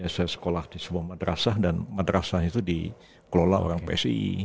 saya sekolah di sebuah madrasah dan madrasah itu dikelola orang psi